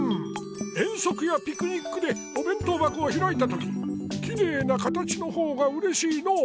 遠足やピクニックでおべん当ばこをひらいたとききれいな形のほうがうれしいのう。